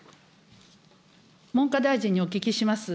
文科大臣にお聞きします。